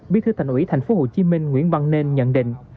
bí thư thành ủy tp hcm nguyễn văn nên nhận định